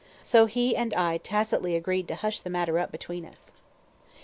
So he and I tacitly agreed to hush the matter up between us.